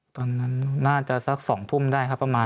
ตอนนั้นน่าจะสัก๒ทุ่มได้ครับประมาณ